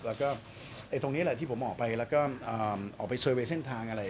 แล้วก็เอ่อตรงนี้แหละที่ผมออกไปแล้วก็เอ่อออกไปเซอร์เวย์เส้นทางอะไร